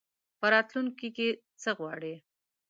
په راتلونکي کي څه غواړې ؟